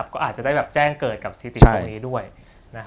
ก็อาจจะได้แจ้งเกิดกับสถิติตรงนี้ด้วย